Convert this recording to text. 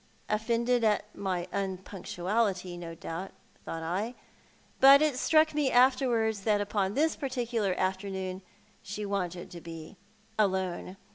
Offended at my nnpnnctnality, no doubt, thought I ; hi^t it struck me afterwards that upon this particular afternoon ;.he wanted to bo alone.